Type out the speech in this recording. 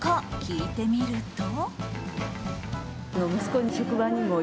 聞いてみると。